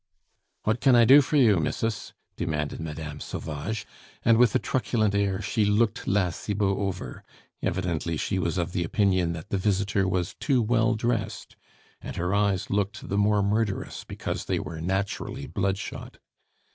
"What can I do for you, missus?" demanded Mme. Sauvage, and with a truculent air she looked La Cibot over; evidently she was of the opinion that the visitor was too well dressed, and her eyes looked the more murderous because they were naturally bloodshot.